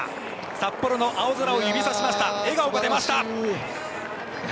札幌の青空を指さしました笑顔が出ました。